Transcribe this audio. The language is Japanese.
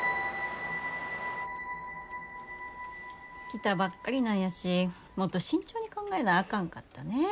来たばっかりなんやしもっと慎重に考えなあかんかったね。